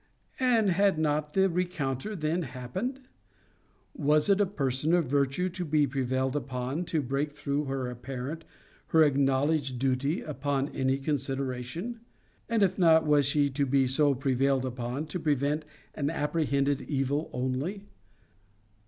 And had not the rencounter then happened? 'Was a person of virtue to be prevailed upon to break through her apparent, her acknowledged duty, upon any consideration?' And, if not, was she to be so prevailed upon to prevent an apprehended evil only?